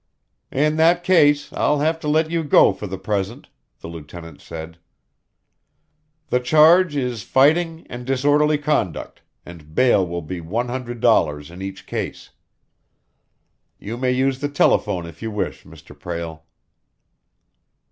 "In that case, I'll have to let you go for the present," the lieutenant said. "The charge is fighting and disorderly conduct, and bail will be one hundred dollars in each case. You may use the telephone if you wish, Mr. Prale."